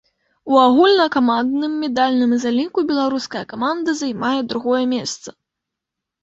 У агульнакамандным медальным заліку беларуская каманда займае другое месца.